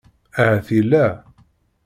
Ahat yella.